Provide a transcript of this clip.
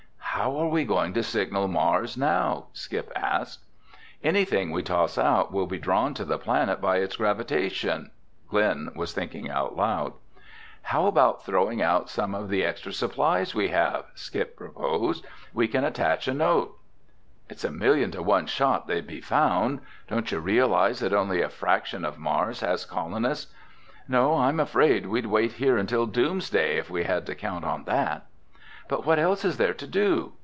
"How are we going to signal Mars now?" Skip asked. "Anything we toss out will be drawn to the planet by its gravitation," Glen was thinking out loud. "How about throwing out some of the extra supplies we have?" Skip proposed. "We can attach a note." "It's a million to one shot they'd be found. Don't you realize that only a fraction of Mars has colonists? No, I'm afraid we'd wait here until doomsday if we had to count on that." "But what else is there to do?"